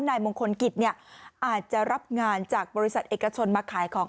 นายมงคลกิจเนี่ยอาจจะรับงานจากบริษัทเอกชนมาขายของ